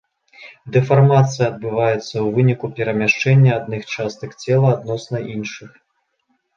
Дэфармацыя адбываецца ў выніку перамяшчэння адных частак цела адносна іншых.